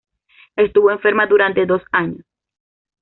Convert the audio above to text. Estuvo enferma durante dos años.